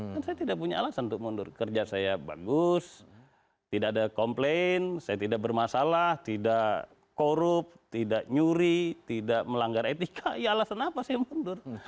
kan saya tidak punya alasan untuk mundur kerja saya bagus tidak ada komplain saya tidak bermasalah tidak korup tidak nyuri tidak melanggar etika ya alasan apa saya mundur